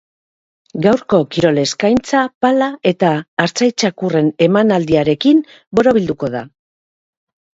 Gaurko kirol eskaintza, pala eta artzai txakurren emanaldiarekin borobilduko da.